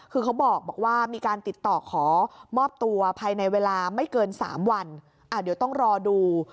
คือเขาบอกว่ามีการติดต่อขอมอบตัวภายในเวลาไม่เกิน๓วันเดี๋ยวต้องรอดู